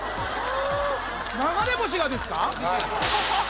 流れ星☆がですか？